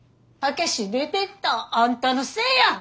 武志出てったんあんたのせいや！